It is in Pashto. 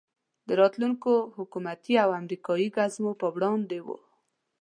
د راتلونکو حکومتي او امریکایي ګزمو په وړاندې وو.